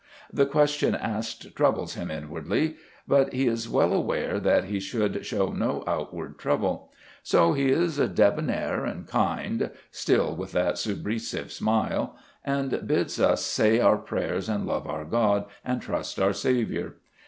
The question asked troubles him inwardly, but he is well aware that he should show no outward trouble. So he is debonair and kind, still with that subrisive smile, and bids us say our prayers, and love our God, and trust our Saviour.